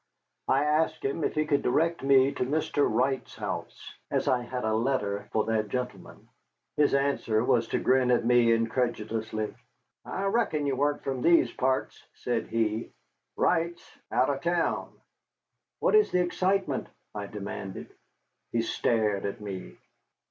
I asked him if he could direct me to Mr. Wright's house, as I had a letter for that gentleman. His answer was to grin at me incredulously. "I reckoned you wah'nt from these parts," said he. "Wright's out o' town." "What is the excitement?" I demanded. He stared at me.